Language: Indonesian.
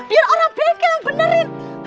biar orang bengkel yang benerin